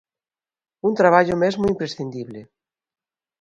Un traballo mesmo imprescindible.